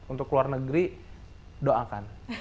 untuk luar negeri doakan